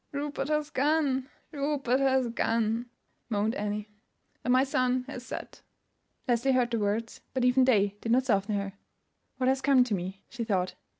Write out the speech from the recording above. "Rupert has gone, Rupert has gone," moaned Annie, "and my sun has set." Leslie heard the words, but even they did not soften her. "What has come to me?" she thought.